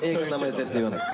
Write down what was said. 絶対言わないです。